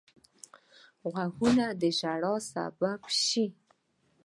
غوږونه د ژړا سبب شي